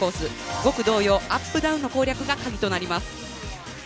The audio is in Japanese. ５区同様アップダウンの攻略が鍵となります。